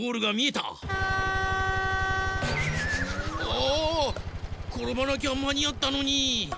あころばなきゃまにあったのに！